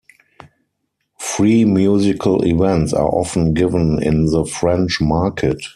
Free musical events are often given in the French Market.